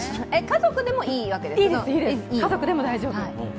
家族でも大丈夫です。